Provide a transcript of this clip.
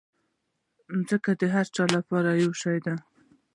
مځکه د هر چا لپاره یو شان ده.